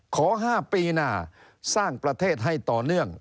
ขอ๕ปีหน้าสร้างประเทศให้ต่อเนื่อง